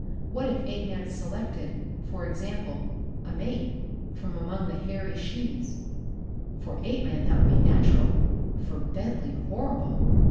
What if Apeman selected, for example, a mate from among the hairy she's? For Apeman that would be natural, for Bentley horrible.